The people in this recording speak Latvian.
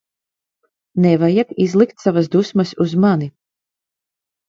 Nevajag izlikt savas dusmas uz mani.